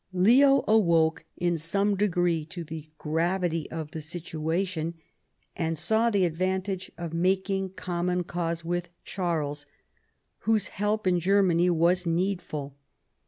Leo awoke in some degree to the gravity of the situation, and saw the advantage of making common cause with Charles, whose help in Germany was needful.